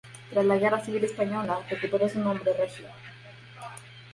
Tras la guerra civil española recuperó su nombre regio.